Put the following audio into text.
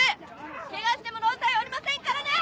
ケガしても労災おりませんからね！